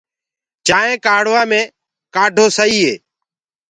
چآنٚينٚ ڪوُ ڪآڙهوآ مينٚ ڪآڍو سئي هي۔